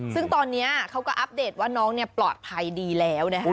ซึ่งตอนนี้เขาก็อัปเดตว่าน้องปลอดภัยดีแล้วนะฮะ